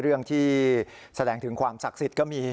เรื่องที่แสดงถึงความศักดิ์สิทธิ์ก็มี